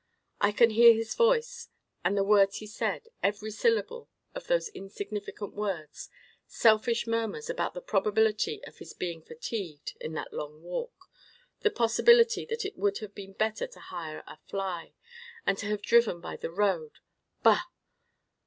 I can hear his voice, and the words he said, every syllable of those insignificant words, selfish murmurs about the probability of his being fatigued in that long walk, the possibility that it would have been better to hire a fly, and to have driven by the road—bah!